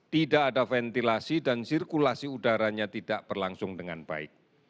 tidak ada ventilasi dan sirkulasi udaranya tidak berlangsung dengan baik